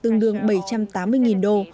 tuy nhiên giá tương đương bảy trăm tám mươi đô